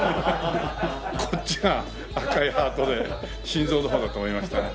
こっちが赤いハートで心臓の方かと思いました。